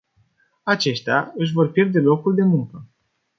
Aceștia își vor pierde locul de muncă.